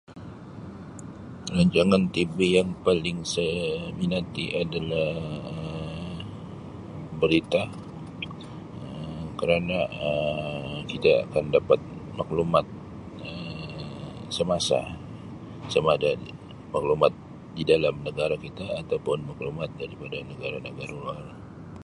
Rancangan tb yang paling saya minati adalah Um berita Um kerana Um kerana kita akan dapat maklumat Um semasa. Sama ada maklumat di dalam negara kita ataupun maklumat daripada negara-negara luar.